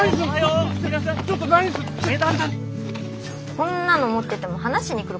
こんなの持ってても話しに来る子いないよ。